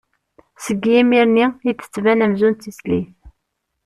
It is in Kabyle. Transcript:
Seg yimir-nni i d-tettban amzun d tislit.